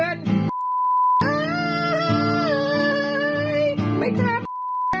แปลงอ๋อไม่ทำอะไรเลยกู